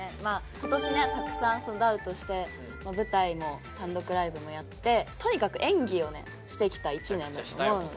今年ねたくさんダウとしての舞台も単独ライブもやってとにかく演技をねしてきた１年だと思う。